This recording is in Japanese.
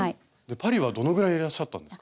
パリはどのぐらいいらっしゃったんですか？